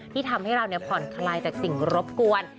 ที่ทำให้เราผ่อนคลายจากสิ่งรบกวน